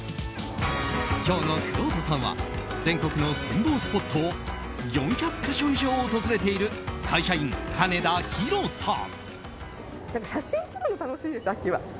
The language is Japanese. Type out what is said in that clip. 今日のくろうとさんは全国の展望スポットを４００か所以上訪れている会社員かねだひろさん。